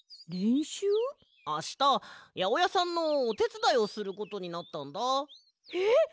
あしたやおやさんのおてつだいをすることになったんだ。えっ！？